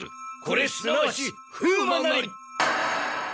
これすなわち風魔なり！